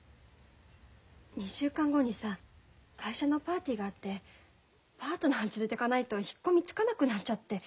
２週間後にさ会社のパーティーがあってパートナー連れてかないと引っ込みつかなくなっちゃって。